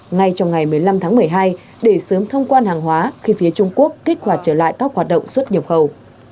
ngay trong ngày một mươi năm tháng một mươi hai để sớm thông quan hàng hóa khi phía trung quốc kích hoạt trở lại các hoạt động xuất nhập khẩu